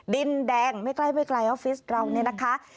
ดินแดงไม่ไกลออฟฟิศเรา